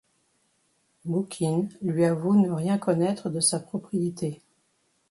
Boukine lui avoue ne rien connaître de sa propriété.